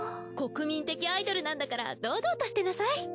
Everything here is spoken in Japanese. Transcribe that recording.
国民的アイドルなんだから堂々としてなさい。